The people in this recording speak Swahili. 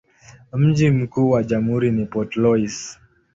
Mji mkuu wa jamhuri ni Port Louis.